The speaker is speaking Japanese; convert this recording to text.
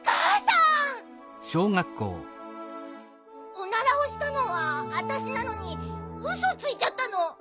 オナラをしたのはあたしなのにウソついちゃったの。